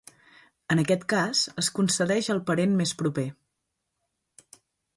En aquest cas es concedeix al parent més proper.